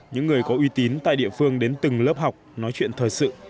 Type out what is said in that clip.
những người có uy tín tại địa phương đến từng lớp học nói chuyện thời sự